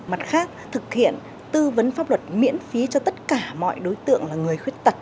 mặt khác thực hiện tư vấn pháp luật miễn phí cho tất cả mọi đối tượng là người khuyết tật